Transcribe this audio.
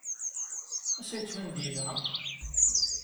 Ass-a, yettban-d yelha.